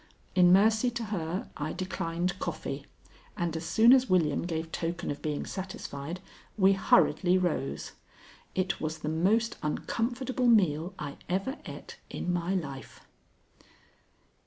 In mercy to her I declined coffee, and as soon as William gave token of being satisfied, we hurriedly rose. It was the most uncomfortable meal I ever ate in my life.